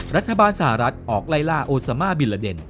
รัฐบาลสหรัฐออกไล่ล่าโอซามาบิลลาเดน